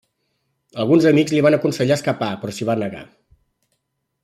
Alguns amics li van aconsellar escapar però s'hi va negar.